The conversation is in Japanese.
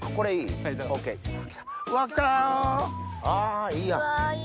あいいやん